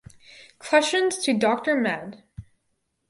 Questions to Doctor med.